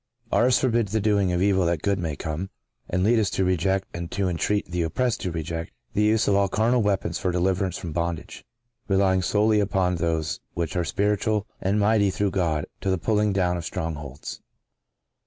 Ours forbid the doing of evil that good may come, and lead us to reject, and to entreat the oppressed to reject, the use of all carnal weapons for deliverance from bondage—relying solely upon those which are spiritual, and mighty through God to the pulling down of strong holds.